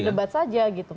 berdebat saja gitu